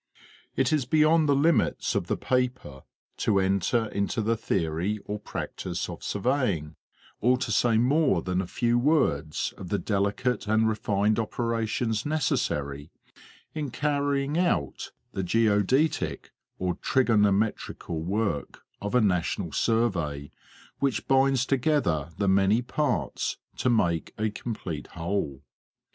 It is beyond the limits of the paper to enter into the theory or practice of surveying, or to say more than a few words of the delicate and refined operations necessary in carrying out the geodetic or trigonometrical work of a national survey which binds together the many parts to make a complete whole.